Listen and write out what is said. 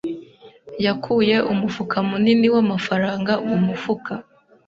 yakuye umufuka munini w'amafaranga mu mufuka.